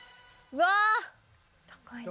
うわ！